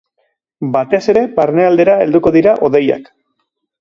Batez ere, barnealdera helduko dira hodeiak.